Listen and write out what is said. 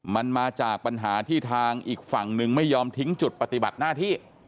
มันมาจากปัญหาที่ทางอีกฝั่งหนึ่งไม่ยอมทิ้งจุดปฏิบัติหน้าที่